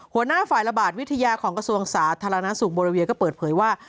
หัวหน้าฝ่ายระบาดวิทยาของกระทรวงสาธารณสุขโบราเวียก็เปิดเผยว่า